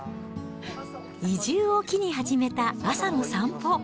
移住を機に始めた朝の散歩。